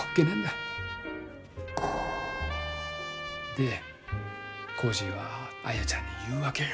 でコージーはアヤちゃんに言うわけよ。